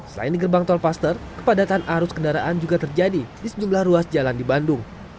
selain di gerbang tolpaster kepadatan arus kendaraan juga terjadi di sejumlah ruas jalan di bandung